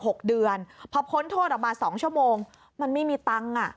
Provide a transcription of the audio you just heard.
หกเดือนพอพ้นโทษออกมาสองชั่วโมงมันไม่มีตังค์อ่ะ